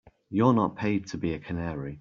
You're not paid to be a canary.